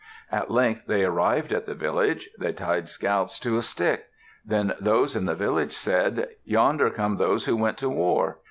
At length they arrived at the village. They tied scalps to a stick. Then those in the village said, "Yonder come those who went to war!"